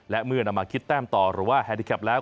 และเมื่อนำมาคิดแต้มต่อหรือว่าแฮดิแคปแล้ว